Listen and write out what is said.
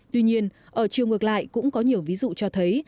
tuy nhiên ở chiều ngược lại cũng có nhiều ví dụ cho thấy